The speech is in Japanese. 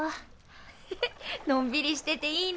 ヘヘのんびりしてていいね。